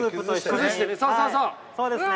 はいそうですね。